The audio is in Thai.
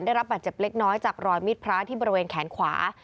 ได้รับบาดเจ็บเล็กน้อยจากรอยมิดพระที่บริเวณแขนขวา